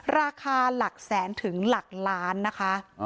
ราคาหลักแสนถึงหลักล้านนะคะ